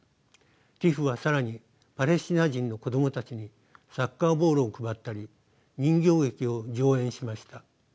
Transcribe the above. ＴＩＰＨは更にパレスチナ人の子供たちにサッカーボールを配ったり人形劇を上演しました。